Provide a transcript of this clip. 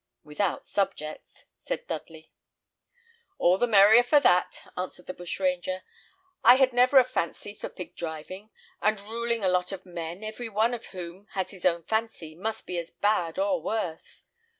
"Without subjects," said Dudley. "All the merrier for that," answered the bushranger. "I had never a fancy for pig driving; and ruling a lot of men, every one of whom has his own fancy, must be as bad or worse.